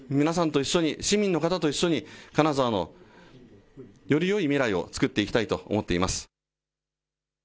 皆さんと一緒に市民の方と一緒に金沢のよりよい未来をつくっていきたいと思っています。